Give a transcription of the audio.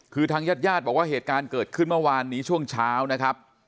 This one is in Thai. คือทางญาติญาติบอกว่าเหตุการณ์เกิดขึ้นเมื่อวานนี้ช่วงเช้านะครับ